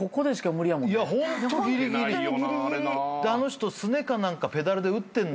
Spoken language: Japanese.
あの人すねか何かペダルで打ってる。